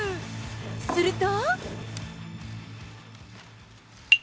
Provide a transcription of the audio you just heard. すると。